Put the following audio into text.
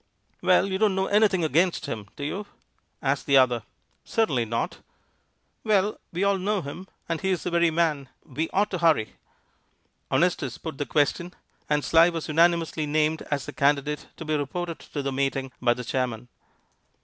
"Well, you don't know anything against him, do you?" asked the other. "Certainly not." "Well, we all know him, and he is the very man. We ought to hurry." Honestus put the question, and Sly was unanimously named as the candidate to be reported to the meeting by the chairman.